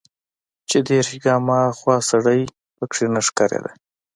چې دېرش ګامه ها خوا سړى پکښې نه ښکارېده.